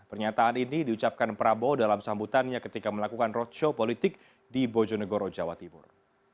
pernyataan ini diucapkan prabowo dalam sambutannya ketika melakukan roadshow politik di bojonegoro jawa timur